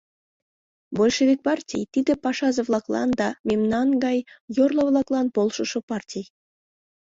— Большевик партий — тиде пашазе-влаклан да мемнан гай йорло-влаклан полшышо партий.